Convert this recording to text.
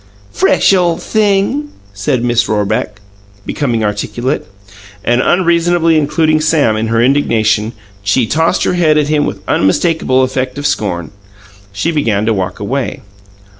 "Fresh ole thing!" said Miss Rorebeck, becoming articulate. And unreasonably including Sam in her indignation, she tossed her head at him with an unmistakable effect of scorn. She began to walk away.